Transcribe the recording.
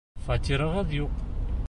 Фатирығыҙ юҡ.